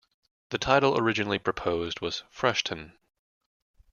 The title originally proposed was "Freshton".